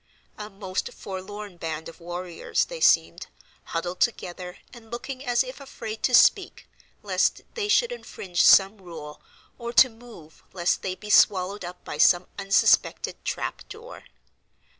A most forlorn band of warriors they seemed, huddled together, and looking as if afraid to speak, lest they should infringe some rule; or to move, lest they be swallowed up by some unsuspected trap door.